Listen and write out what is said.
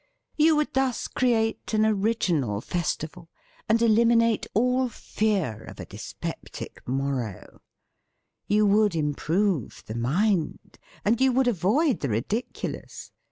You would thus create an THE FEAST OF ST FRIEND original festival, and eliminate all fear of a dyspeptic morrow. You would im prove the mind. And you would avoid the ridiculous.